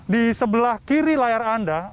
di sebelah kiri layar anda